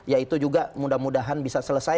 yaitu juga mudah mudahan bisa selesai